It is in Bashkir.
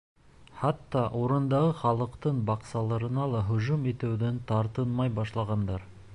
Хатта урындағы халыҡтың баҡсаларына ла һөжүм итеүҙән тартынмай башлағандар.